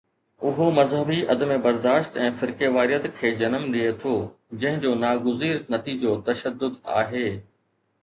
اهو مذهبي عدم برداشت ۽ فرقيواريت کي جنم ڏئي ٿو، جنهن جو ناگزير نتيجو تشدد آهي.